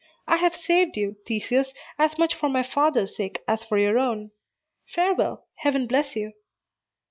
I have saved you, Theseus, as much for my father's sake as for your own. Farewell! Heaven bless you!"